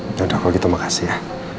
jangan kalau gitu makasih ya